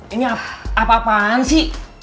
ini apa apaan sih